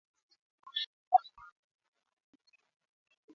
vitamini A ya viazi lishe ni muhimu kwa mfumo wa uzazi